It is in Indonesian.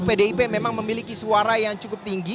pdip memang memiliki suara yang cukup tinggi